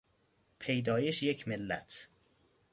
پیدایش یک ملت